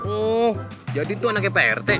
oh jadi itu anaknya prt